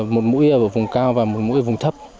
một mũi ở vùng cao và một mũi ở vùng thấp